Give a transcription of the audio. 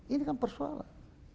ini kan persoalan